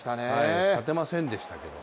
勝てませんでしたけど。